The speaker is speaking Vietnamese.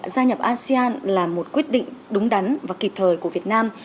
gia nhập asean là một quyết định đúng đắn và kịp thời của việt nam